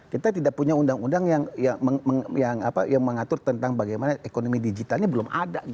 kita tidak punya undang undang yang mengatur tentang bagaimana ekonomi digitalnya belum ada